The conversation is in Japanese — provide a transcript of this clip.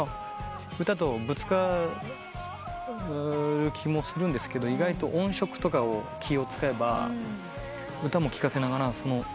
歌とぶつかる気もするんですけど意外と音色とかを気を使えば歌も聞かせながら。